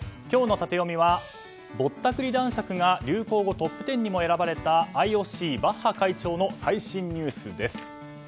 今日のタテヨミはぼったくり男爵が流行語トップ１０にも選ばれたＩＯＣ、バッハ会長の最新ニュースです。